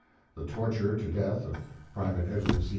[The torture to death of Private Edward C.